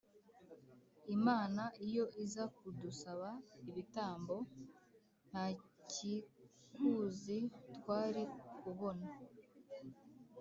Imana iyo iza kudusaba ibitambo ntakikuzi twari kubona